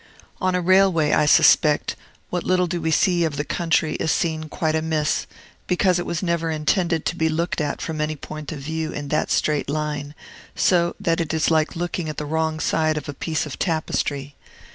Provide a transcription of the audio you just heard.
On a railway, I suspect, what little we do see of the country is seen quite amiss, because it was never intended to be looked at from any point of view in that straight line; so that it is like looking at the wrong side of a piece of tapestry.